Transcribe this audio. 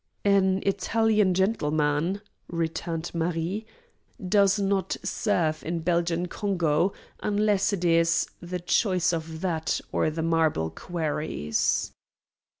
"An Italian gentleman," returned Marie, "does not serve in Belgian Congo unless it is the choice of that or the marble quarries."